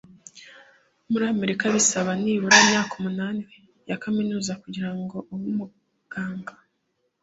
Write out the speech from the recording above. Muri Amerika bisaba nibura imyaka umunani ya kaminuza kugirango ube umuganga